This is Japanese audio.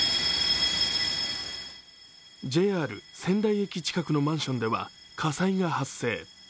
ＪＲ仙台駅近くのマンションでは火災が発生。